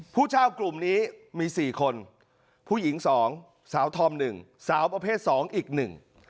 ผู้เช่ากลุ่มนี้มีสี่คนผู้หญิงสองสาวธอมหนึ่งสาวประเภทสองอีกหนึ่ง